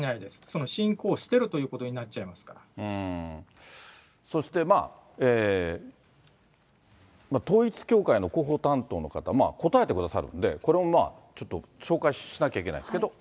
その信仰を捨てるということになそして、統一教会の広報担当の方、答えてくださるんで、これもまあ紹介しなきゃいけないんですけれども。